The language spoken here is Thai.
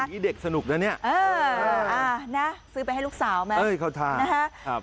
อันนี้เด็กสนุกนะเนี่ยเออซื้อไปให้ลูกสาวมาเออเขาทานนะฮะ